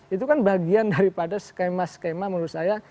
itu kan bagian daripada skema skema menurut saya